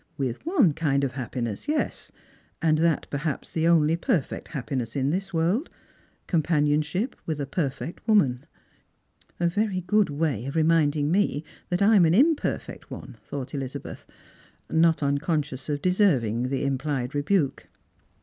" With one kind of happiness, yes, and that perhaps the only perfect happiness in this world — companionship with a perfect woman." " A very good way of reminding me that I'm an imperfect one," thought Elizabeth, not unconscious of deserving the im plied rebuke.